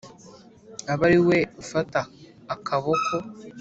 abe ari we ufata akaboko.